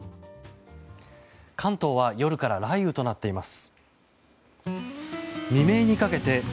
関東は夜から雷雨となっています。